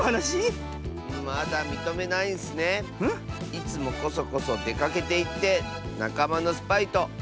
いつもこそこそでかけていってなかまのスパイとあってるんでしょ